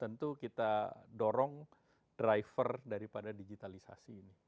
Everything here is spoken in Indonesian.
tentu kita dorong driver daripada digitalisasi ini